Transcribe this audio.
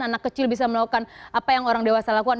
anak kecil bisa melakukan apa yang orang dewasa lakukan